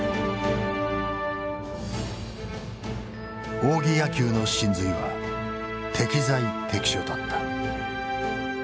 仰木野球の神髄は適材適所だった。